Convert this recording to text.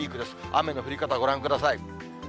雨の降り方ご覧ください。